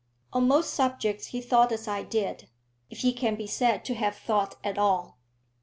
On most subjects he thought as I did, if he can be said to have thought at all.